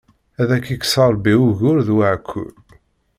Ad ak-ikkes Ṛebbi ugur d uɛekkur!